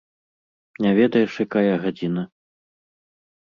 Не ведаеш, якая гадзіна?